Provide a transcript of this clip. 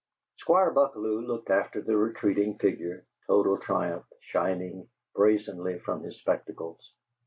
Squire Buckalew looked after the retreating figure, total triumph shining brazenly from his spectacles.